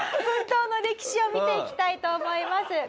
奮闘の歴史を見ていきたいと思います。